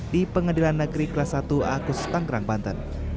di pengadilan negeri kelas satu agus tanggerang banten